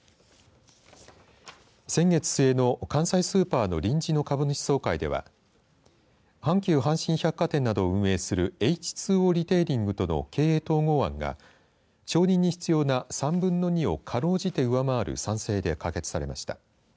先月末の関西スーパーの臨時の株主総会では阪急阪神百貨店などを運営するエイチ・ツー・オーリテイリングとの経営統合案が、承認に必要な３分の２をかろうじて上回る賛成で可決されました。